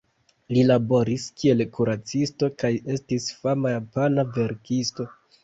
Li laboris kiel kuracisto kaj estis fama japana verkisto.